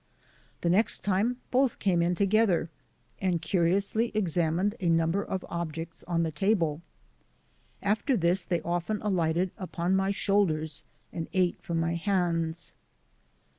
The next time both came in to gether and curiously examined a number of ob jects on the table. After this they often alighted upon my shoulders and ate from my hands.